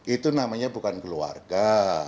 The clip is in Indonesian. itu namanya bukan keluarga